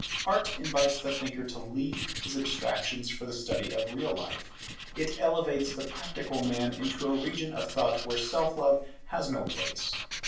Art invites the thinker to leave his abstractions for the study of real life; it elevates the practical man into a region of thought where self love has no place.